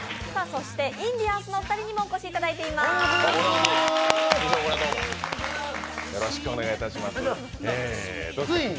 そしてインディアンスのお二人にもお越しいただいています。